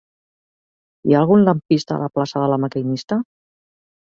Hi ha algun lampista a la plaça de La Maquinista?